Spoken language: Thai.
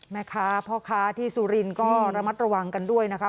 แม่ค้าพ่อค้าที่สุรินทร์ก็ระมัดระวังกันด้วยนะคะ